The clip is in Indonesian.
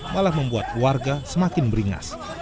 malah membuat warga semakin beringas